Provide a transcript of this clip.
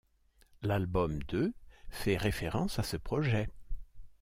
L'album de fait référence à ce projet.